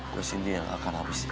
gue sendiri yang akan harus